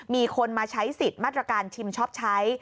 มีคนมาใช้สิทธิ์มาตรการชิมช็อปใช้